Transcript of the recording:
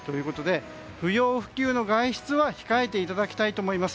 不要不急の外出は控えていただきたいと思います。